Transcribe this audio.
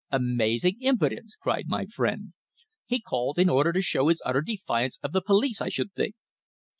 "Amazing impudence!" cried my friend. "He called in order to show his utter defiance of the police, I should think."